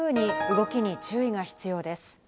動きに注意が必要です。